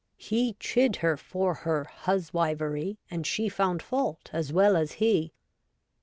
He chid her for her huswivery. And she found fault as well as he.